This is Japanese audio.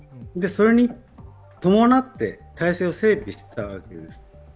それに伴って体制を整備したわけです。